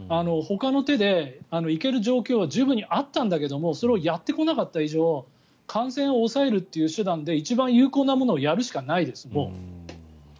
ほかの手で行ける状況は十分にあったんだけどそれをやってこなかった以上感染を抑えるという手段で一番有効なものをやるしかないです。